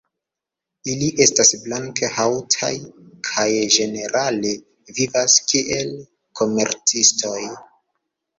Ili estas blank-haŭtaj kaj ĝenerale vivas kiel komercistoj.